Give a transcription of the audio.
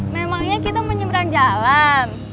memangnya kita menyeberang jalan